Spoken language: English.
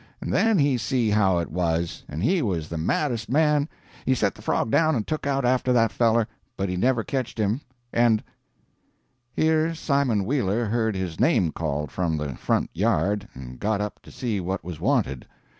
And then he see how it was, and he was the maddest man he set the frog down and took out after that feller, but he never ketched him. And " [Here Simon Wheeler heard his name called from the front yard, and got up to see what was wanted.